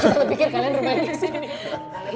tante pikir kalian rumahnya disini